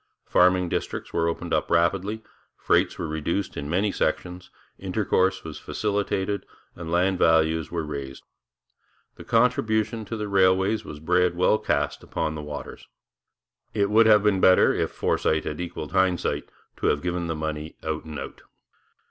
Farming districts were opened up rapidly, freights were reduced in many sections, intercourse was facilitated, and land values were raised. The contribution to the railways was bread well cast upon the waters. It would have been better, if foresight had equalled hindsight, to have given the money out and out.